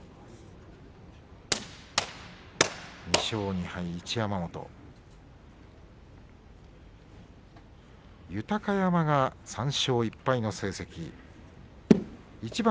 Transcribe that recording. ２勝２敗の一山本豊山は３勝１敗の成績。